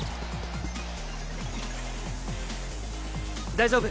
大丈夫。